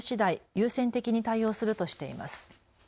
優先的に対応するとしています。